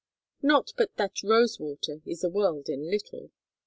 Not but that Rosewater is the world in little.